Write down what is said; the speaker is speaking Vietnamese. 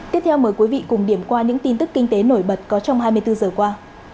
tiếp theo mời quý vị cùng điểm qua những tin tức kinh tế nổi bật có trong hai mươi bốn giờ qua